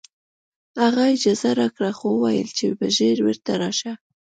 هغه اجازه راکړه خو وویل چې ژر بېرته راشه